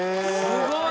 すごい！